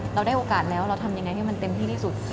เราได้โอกาสแล้วเราทำยังไงให้มันเต็มที่ที่สุด